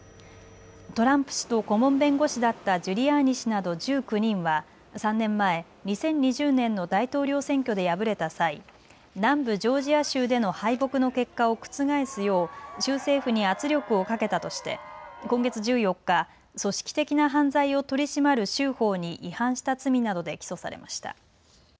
トランプ氏と顧問弁護士だったジュリアーニ氏など１９人は３年前、２０２０年の大統領選挙で敗れた際、南部ジョージア州での敗北の結果を覆すよう州政府に圧力をかけたとして今月１４日、組織的な犯罪を取り締まる州法に違反した罪などで起訴されました。